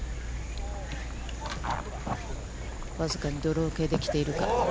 僅かにドロー系で来ているか。